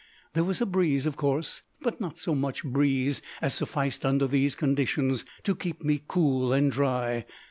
There was a breeze, of course, but not so much breeze as sufficed under these conditions to keep me cool and dry.